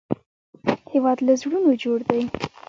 هېواد له زړونو جوړ دی